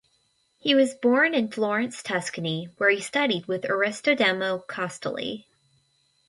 He was born in Florence, Tuscany, where he studied with Aristodemo Costoli.